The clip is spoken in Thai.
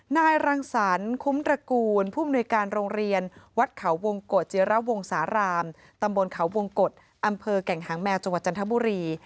นายรังสรรคุ้มตระกูลผู้มนุยการโรงเรียนวัดเขาวงกฎจิระวงสารามตำบลเขาวงกฎอำเภอแก่งหางแมวจังหวัดจันทบุรี